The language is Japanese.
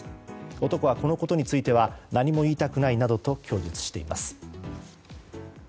男はこのことについては何も言いたくないなどと供述しています。